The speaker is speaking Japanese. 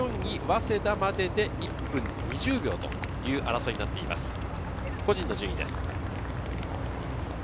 小田原中継所の時点で１４位に早稲田までで１分２０秒という争いになっています。